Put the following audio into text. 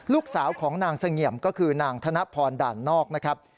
ลูกสาวของนางเสงี่ยมก็คือนางธนพรด่านนอกนะครับ